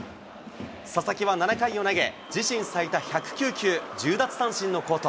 佐々木は７回を投げ、自身最多１０９球１０奪三振の好投。